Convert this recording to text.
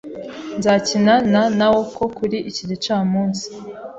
Nzakina na Naoko kuri iki gicamunsi.